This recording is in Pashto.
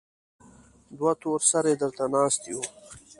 دوه تور سرې درته ناستې يو.